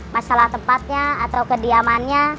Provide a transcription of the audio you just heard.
masalah tempatnya atau kediamannya